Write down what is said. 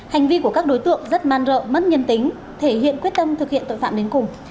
hành vi của các đối tượng rất man rợ mất nhân tính thể hiện quyết tâm thực hiện tội phạm đến cùng